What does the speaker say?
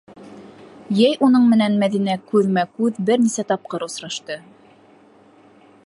Йәй уның менән Мәҙинә күҙмә-күҙ бер нисә тапҡыр осрашты.